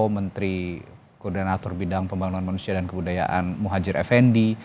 menteri koordinator bidang pembangunan manusia dan kebudayaan muhajir effendi